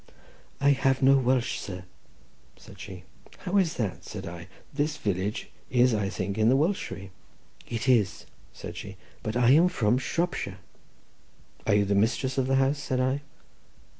"I have no Welsh, sir," said she. "How is that?" said I; "this village is, I think, in the Welshery." "It is," said she; "but I am from Shropshire." "Are you the mistress of the house?" said I.